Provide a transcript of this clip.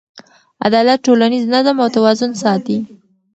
عدالت ټولنیز نظم او توازن ساتي.